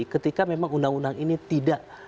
ketika memang undang undang ini tidak